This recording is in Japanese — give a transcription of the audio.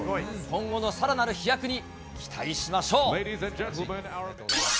今後のさらなる飛躍に期待しましょう。